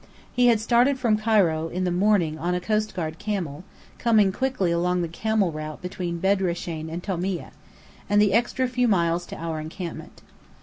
He had started from Cairo in the morning on a coastguard camel, coming quickly along the camel route between Bedrashen and Tomieh, and the extra few miles to our encampment.